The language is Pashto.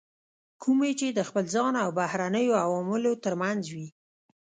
کومې چې د خپل ځان او بهرنیو عواملو ترمنځ وي.